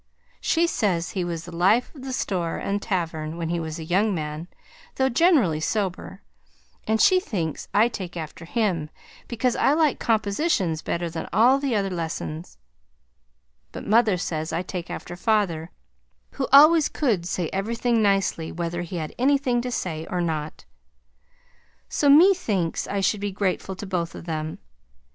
She says he was the life of the store and tavern when he was a young man, though generally sober, and she thinks I take after him, because I like compositions better than all the other lessons; but mother says I take after father, who always could say everything nicely whether he had anything to say or not; so methinks I should be grateful to both of them.